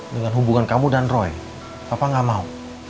dengan hubungan kamu dan roy papa gak mau